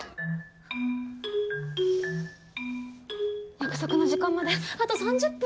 約束の時間まであと３０分！